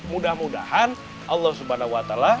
mudah mudahan allah swt